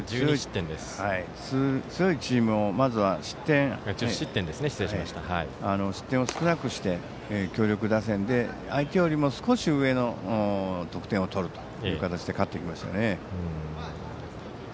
強いチームをまずは失点を少なくして強力打線で相手よりも少し上の得点を取るという形で勝ってきましたね。